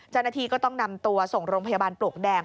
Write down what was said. เจ้าหน้าที่ก็ต้องนำตัวส่งโรงพยาบาลปลวกแดง